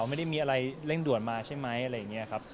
ไม่ได้มีอะไรเร่งด่วนมาใช่ไหมอะไรอย่างนี้ครับ